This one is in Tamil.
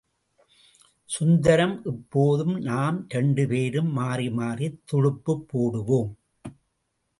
சுந்தரம், இப்போதும் நாம் இரண்டு பேரும் மாறிமாறித் துடுப்புப் போடுவோம்.